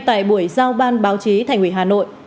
tại buổi giao ban báo chí thành ủy hà nội